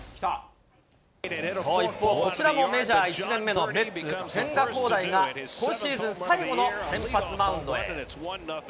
一方、こちらもメジャー１年目のメッツ、千賀滉大が今シーズン最後の先発マウンドへ。